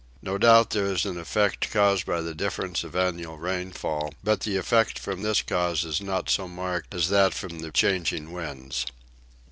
No doubt there is an effect produced by the difference of annual rainfall, but the effect from this cause is not so marked as that from the changing winds.